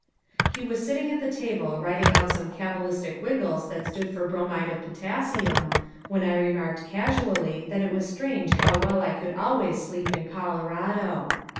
He was sitting at the table, writing out some cabalistic wiggles that stood for bromide of potassium, when I remarked casually that it was strange how well I could always sleep in Colorado.